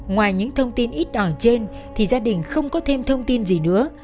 ngoài những thông tin ít ỏi trên thì gia đình không có thêm thông tin gì nữa